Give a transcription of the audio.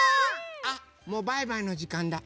あっもうバイバイのじかんだ。